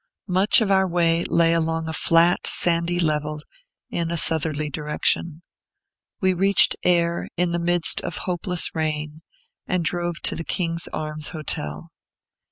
Much of our way lay along a flat, sandy level, in a southerly direction. We reached Ayr in the midst of hopeless rain, and drove to the King's Arms Hotel.